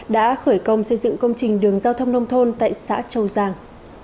đã khởi công xây dựng công trình đường giao thông nông thôn tại xã châu giang